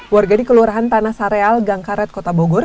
warga di kelurahan tanah sareal gangkaret kota bogor